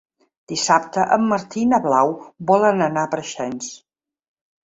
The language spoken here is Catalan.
Dissabte en Martí i na Blau volen anar a Preixens.